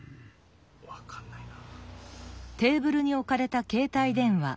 分かんないな。